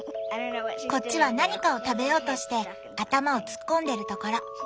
こっちは何かを食べようとして頭を突っ込んでるところ。